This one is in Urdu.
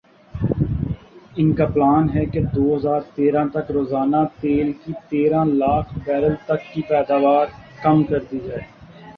ان کا پلان ھے کہ دو ہزار تیرہ تک روزانہ تیل کی تیرہ لاکھ بیرل تک کی پیداوار کم کر دی جائے